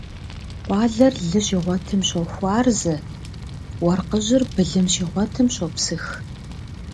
Къуалэр лы щигъуэтым щохуарзэ, уэркъыжьыр былым щигъуэтым щопсых.